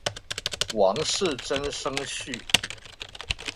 王士禛甥婿。